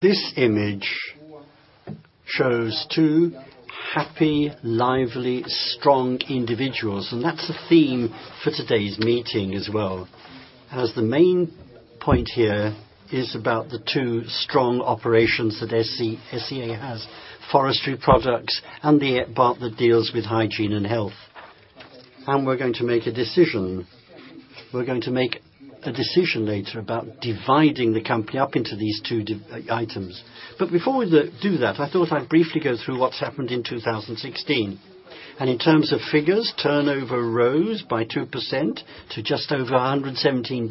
This image shows two happy, lively, strong individuals. That's the theme for today's meeting as well, as the main point here is about the two strong operations that SCA has, forestry products and the part that deals with hygiene and health. We're going to make a decision. We're going to make a decision later about dividing the company up into these two items. Before we do that, I thought I'd briefly go through what's happened in 2016. In terms of figures, turnover rose by 2% to just over 117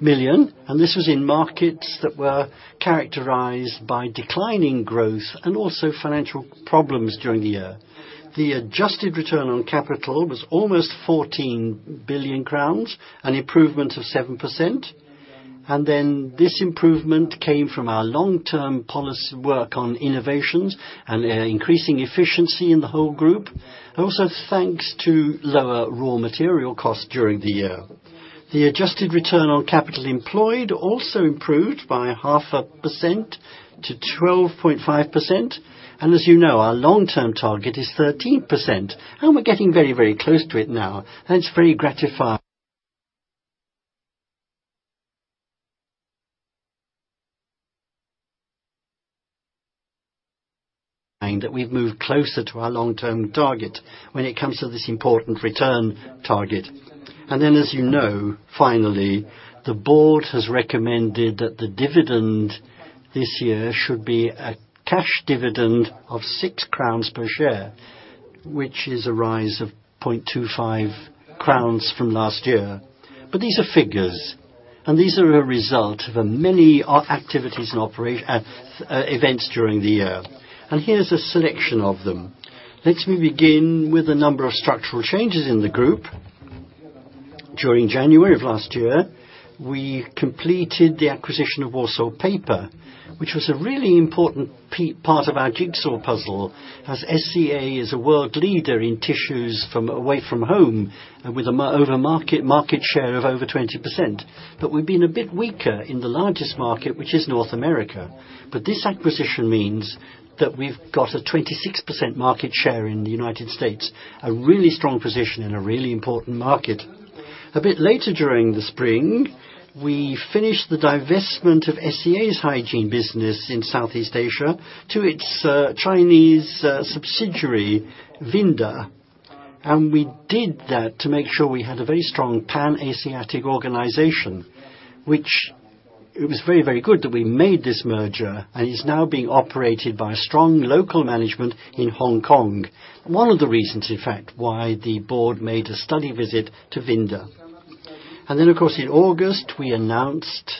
million. This was in markets that were characterized by declining growth and also financial problems during the year. The adjusted return on capital was almost 14 billion crowns, an improvement of 7%. This improvement came from our long-term policy work on innovations and increasing efficiency in the whole group, also thanks to lower raw material costs during the year. The adjusted return on capital employed also improved by 0.5%-12.5%. As you know, our long-term target is 13%, and we're getting very close to it now. It's very gratifying that we've moved closer to our long-term target when it comes to this important return target. As you know, finally, the board has recommended that the dividend this year should be a cash dividend of 6 crowns per share, which is a rise of 0.25 crowns from last year. These are figures, and these are a result of many activities and events during the year. Here's a selection of them. Let me begin with a number of structural changes in the group. During January of last year, we completed the acquisition of Wausau Paper, which was a really important part of our jigsaw puzzle, as SCA is a world leader in Away-from-Home tissue and with a market share of over 20%. We've been a bit weaker in the largest market, which is North America. This acquisition means that we've got a 26% market share in the U.S., a really strong position in a really important market. A bit later during the spring, we finished the divestment of SCA's hygiene business in Southeast Asia to its Chinese subsidiary, Vinda. We did that to make sure we had a very strong Pan-Asiatic organization. It was very good that we made this merger, and it's now being operated by a strong local management in Hong Kong. One of the reasons, in fact, why the board made a study visit to Vinda. Of course, in August, we announced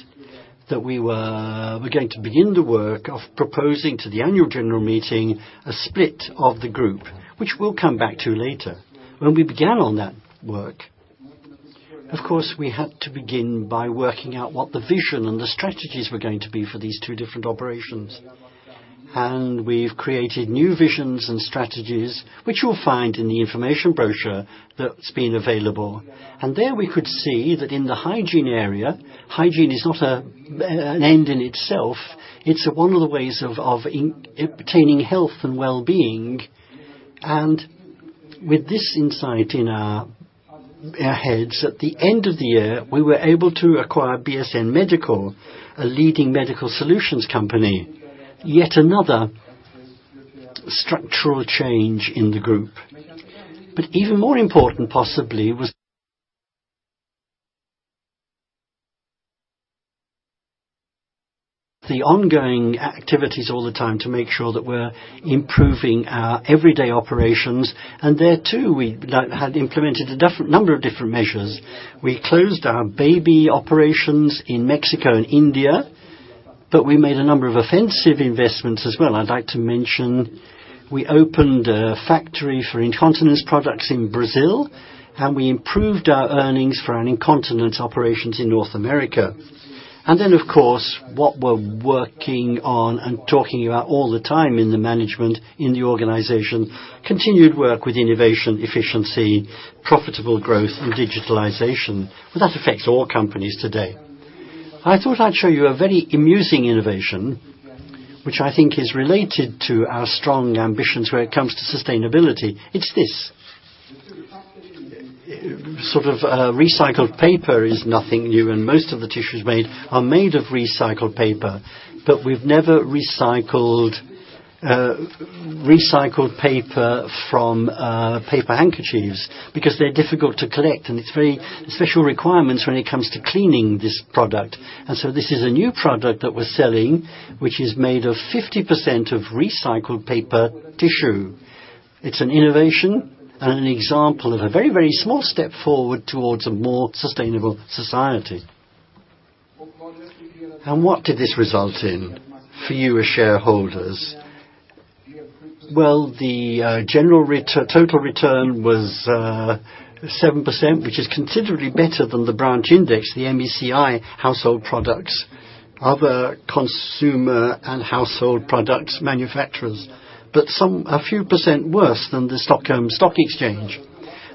that we're going to begin the work of proposing to the Annual General Meeting a split of the group, which we'll come back to later. When we began on that work, of course, we had to begin by working out what the vision and the strategies were going to be for these two different operations. We've created new visions and strategies, which you'll find in the information brochure that's been available. There we could see that in the hygiene area, hygiene is not an end in itself, it's one of the ways of obtaining health and well-being. With this insight in our heads, at the end of the year, we were able to acquire BSN medical, a leading medical solutions company, yet another structural change in the group. Even more important, possibly, was the ongoing activities all the time to make sure that we're improving our everyday operations. There, too, we had implemented a number of different measures. We closed our baby operations in Mexico and India, we made a number of offensive investments as well. I'd like to mention, we opened a factory for incontinence products in Brazil, and we improved our earnings for our incontinence operations in North America. Then, of course, what we're working on and talking about all the time in the management, in the organization, continued work with innovation, efficiency, profitable growth, and digitalization. That affects all companies today. I thought I'd show you a very amusing innovation, which I think is related to our strong ambitions when it comes to sustainability. It's this. Recycled paper is nothing new, most of the tissues are made of recycled paper. We've never recycled paper from paper handkerchiefs because they're difficult to collect, and it's very special requirements when it comes to cleaning this product. This is a new product that we're selling, which is made of 50% of recycled paper tissue. It's an innovation and an example of a very small step forward towards a more sustainable society. What did this result in for you as shareholders? Well, the general total return was 7%, which is considerably better than the branch index, the MSCI Household Products, other consumer and household products manufacturers, a few percent worse than the Stockholm Stock Exchange.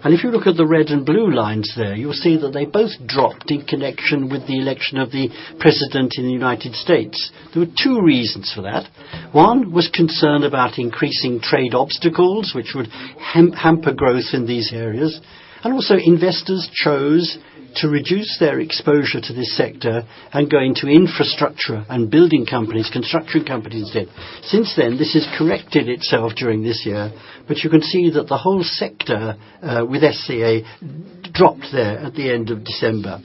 If you look at the red and blue lines there, you'll see that they both dropped in connection with the election of the president in the United States. There were two reasons for that. One was concern about increasing trade obstacles, which would hamper growth in these areas. Also investors chose to reduce their exposure to this sector and go into infrastructure and building companies, construction companies then. Since then, this has corrected itself during this year, you can see that the whole sector with SCA dropped there at the end of December.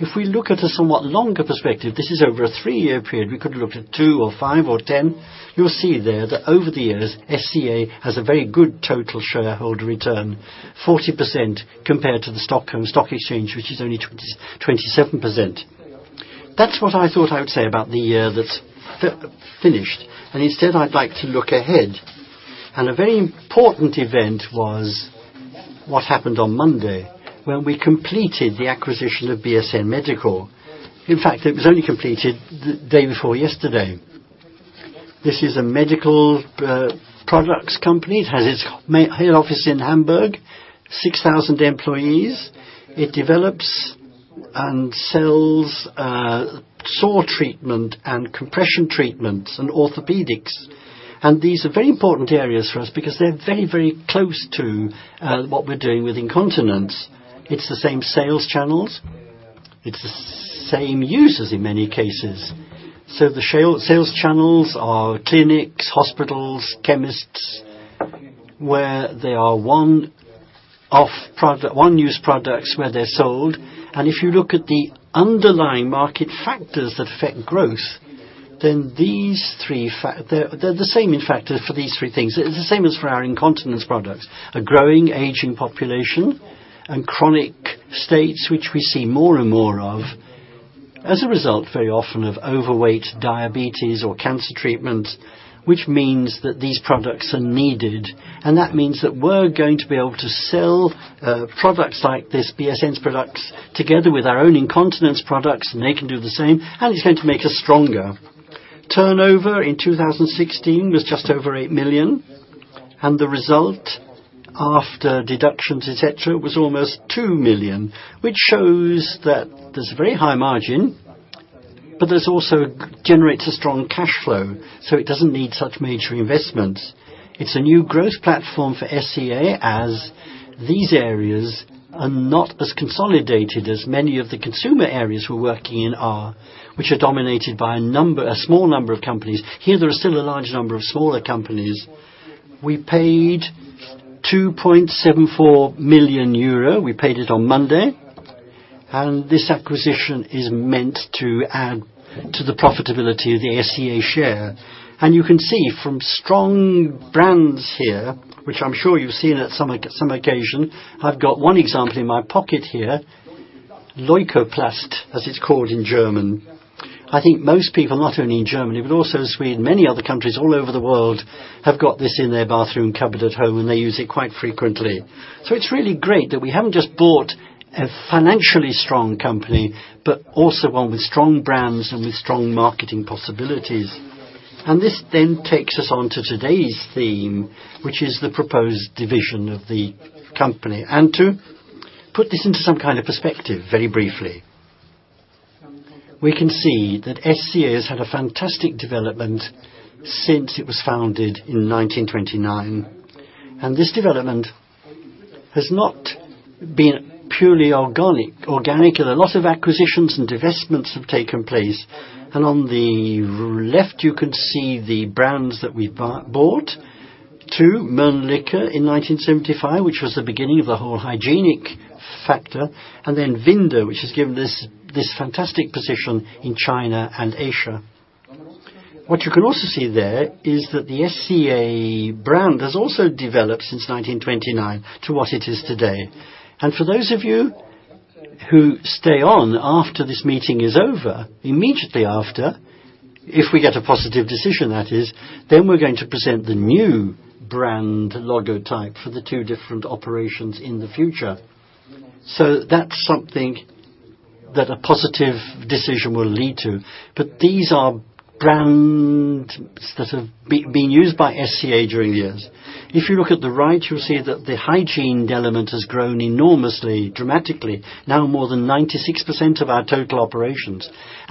If we look at a somewhat longer perspective, this is over a three-year period, we could have looked at two or five or 10. You'll see there that over the years, SCA has a very good total shareholder return, 40% compared to the Stockholm Stock Exchange, which is only 27%. That's what I thought I would say about the year that finished, instead I'd like to look ahead. A very important event was what happened on Monday when we completed the acquisition of BSN medical. In fact, it was only completed the day before yesterday. This is a medical products company. It has its head office in Hamburg, 6,000 employees. It develops and sells sore treatment and compression treatments and orthopedics. These are very important areas for us because they're very close to what we're doing with incontinence. It's the same sales channels, it's the same users in many cases. The sales channels are clinics, hospitals, chemists, where they are one use products where they're sold. If you look at the underlying market factors that affect growth, then these three factors, they're the same factors for these three things. It's the same as for our incontinence products. A growing aging population and chronic states which we see more and more of as a result very often of overweight, diabetes or cancer treatment, which means that these products are needed. That means that we're going to be able to sell products like this BSN's products together with our own incontinence products, and they can do the same, and it's going to make us stronger. Turnover in 2016 was just over 8 million, the result after deductions, et cetera, was almost 2 million, which shows that there's a very high margin, this also generates a strong cash flow, so it doesn't need such major investments. It's a new growth platform for SCA as these areas are not as consolidated as many of the consumer areas we're working in are, which are dominated by a small number of companies. Here there are still a large number of smaller companies. We paid 2.74 million euro. We paid it on Monday, this acquisition is meant to add to the profitability of the SCA share. You can see from strong brands here, which I'm sure you've seen at some occasion. I've got one example in my pocket here, Leukoplast, as it's called in German. I think most people, not only in Germany but also Sweden, many other countries all over the world have got this in their bathroom cupboard at home, and they use it quite frequently. It's really great that we haven't just bought a financially strong company, but also one with strong brands and with strong marketing possibilities. This then takes us on to today's theme, which is the proposed division of the company. To put this into some kind of perspective very briefly. We can see that SCA has had a fantastic development since it was founded in 1929. This development has not been purely organic, a lot of acquisitions and divestments have taken place. On the left, you can see the brands that we bought. Two, Mölnlycke in 1975, which was the beginning of the whole hygienic factor, then Vinda, which has given this fantastic position in China and Asia. What you can also see there is that the SCA brand has also developed since 1929 to what it is today. For those of you who stay on after this meeting is over, immediately after, if we get a positive decision that is, then we're going to present the new brand logo type for the two different operations in the future. That's something that a positive decision will lead to. These are brands that have been used by SCA during the years. If you look at the right, you'll see that the hygiene element has grown enormously, dramatically, now more than 96% of our total operations.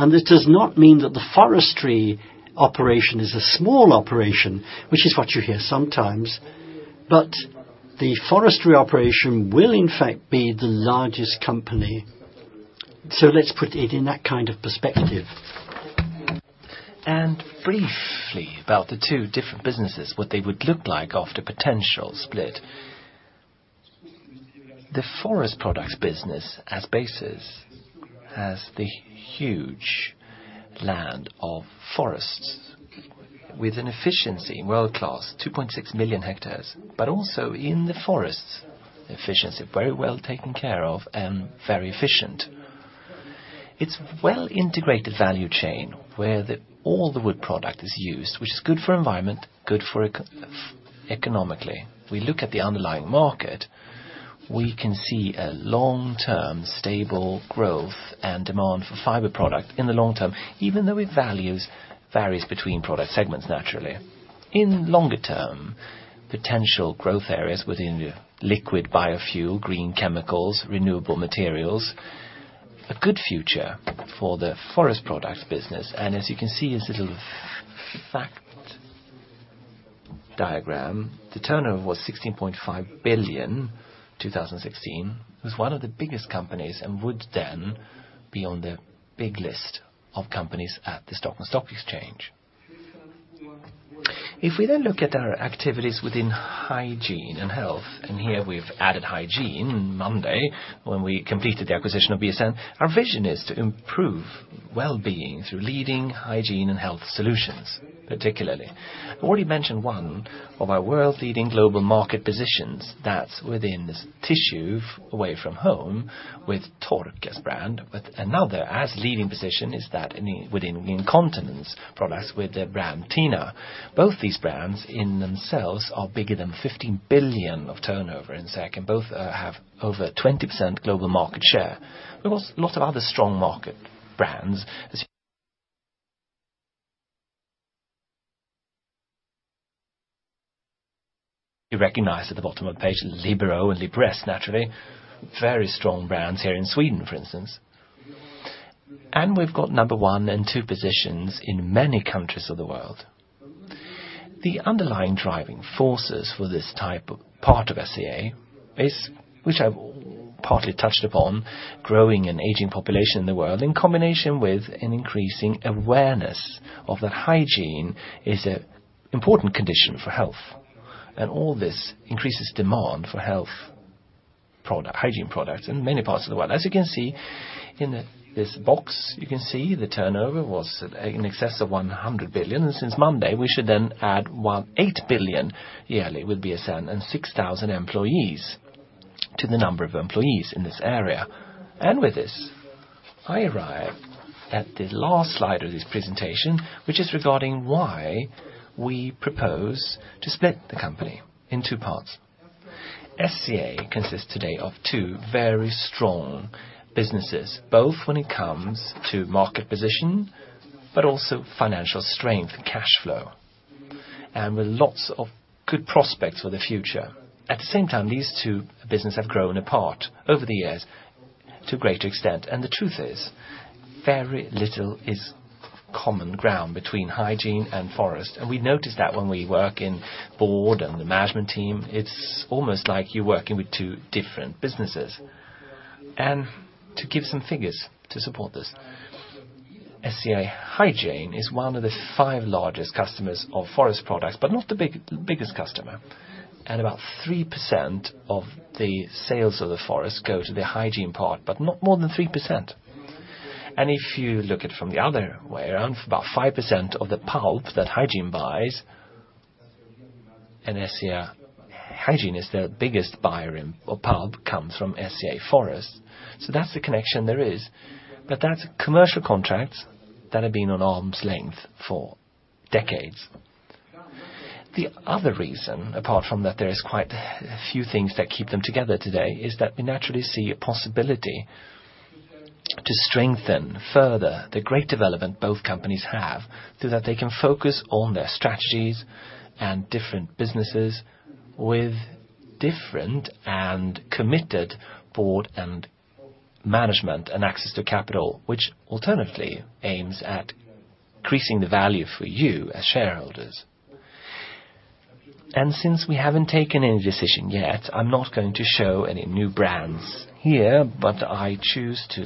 This does not mean that the forestry operation is a small operation, which is what you hear sometimes. The forestry operation will in fact be the largest company. Let's put it in that kind of perspective. Briefly about the two different businesses, what they would look like after potential split. The forest products business as basis has the huge land of forests with an efficiency in world-class, 2.6 million hectares. Also in the forests, efficiency very well taken care of and very efficient. It's well integrated value chain where all the wood product is used, which is good for environment, good economically. We look at the underlying market, we can see a long-term stable growth and demand for fiber product in the long term, even though it values varies between product segments naturally. In longer term, potential growth areas within the liquid biofuel, green chemicals, renewable materials, a good future for the forest products business. As you can see, this little fact diagram, the turnover was 16.5 billion 2016. It was one of the biggest companies and would then be on the big list of companies at the Stockholm Stock Exchange. If we then look at our activities within hygiene and health, and here we've added hygiene Monday, when we completed the acquisition of BSN, our vision is to improve well-being through leading hygiene and health solutions, particularly. I already mentioned one of our world-leading global market positions that's within this Away-from-Home tissue with Tork as brand, but another as leading position is that within the incontinence products with the brand TENA. Both these brands in themselves are bigger than 15 billion of turnover in second, both have over 20% global market share. There are lots of other strong market brands as you recognize at the bottom of page, Libero and Libresse, naturally, very strong brands here in Sweden, for instance. We've got number one and two positions in many countries of the world. The underlying driving forces for this type of part of SCA is, which I've partly touched upon, growing an aging population in the world, in combination with an increasing awareness of that hygiene is an important condition for health. All this increases demand for health product, hygiene products in many parts of the world. As you can see in this box, you can see the turnover was in excess of 100 billion, and since Monday, we should then add 8 billion yearly with BSN and 6,000 employees to the number of employees in this area. With this, I arrive at the last slide of this presentation, which is regarding why we propose to split the company in two parts. SCA consists today of two very strong businesses, both when it comes to market position, but also financial strength and cash flow, and with lots of good prospects for the future. At the same time, these two business have grown apart over the years to a greater extent, and the truth is, very little is common ground between hygiene and forest. We notice that when we work in board and the management team, it's almost like you're working with two different businesses. To give some figures to support this, SCA Hygiene is one of the five largest customers of forest products, but not the biggest customer. About 3% of the sales of the forest go to the hygiene part, but not more than 3%. If you look at it from the other way around, about 5% of the pulp that hygiene buys, and SCA Hygiene is their biggest buyer of pulp, comes from SCA Forest. That's the connection there is. That's commercial contracts that have been on arm's length for decades. The other reason, apart from that there is quite a few things that keep them together today, is that we naturally see a possibility to strengthen further the great development both companies have, so that they can focus on their strategies and different businesses with different and committed board and management and access to capital, which alternatively aims at increasing the value for you as shareholders. Since we haven't taken any decision yet, I'm not going to show any new brands here, but I choose to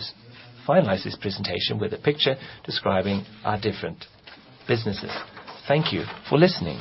finalize this presentation with a picture describing our different businesses. Thank you for listening.